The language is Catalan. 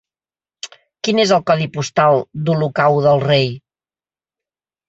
Quin és el codi postal d'Olocau del Rei?